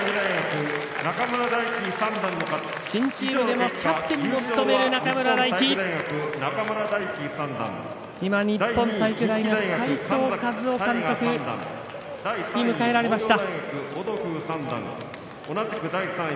新チームでもキャプテンを務める中村泰輝日本体育大学の齋藤監督に迎えられました。